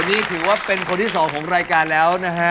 นี่ถือว่าเป็นคนที่สองของรายการแล้วนะฮะ